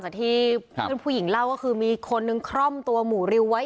จากที่เพื่อนผู้หญิงเล่าก็คือมีคนนึงคร่อมตัวหมู่ริวไว้